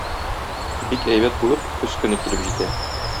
Бик әйбәт булып көз көне килеп җитә.